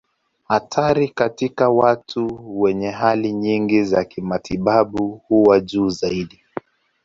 Hatari katika watu wenye hali nyingi za kimatibabu huwa juu zaidi.